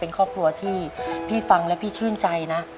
เป็นครอบครัวที่พี่ฟังแล้วพี่ชื่นใจนะ